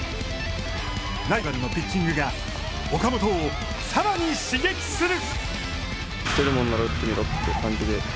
ライバルのピッチングが、岡本をさらに刺激する。